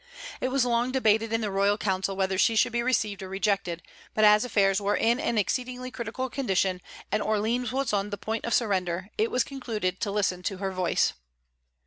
It was long debated in the royal council whether she should be received or rejected; but as affairs were in an exceedingly critical condition, and Orleans was on the point of surrender, it was concluded to listen to her voice.